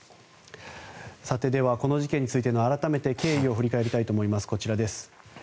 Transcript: では、この事件について改めて経緯を振り返りたいと思います。